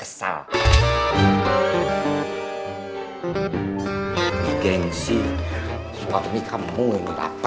enggak ada apa apa